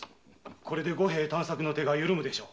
これで五平探索の手が緩むでしょう。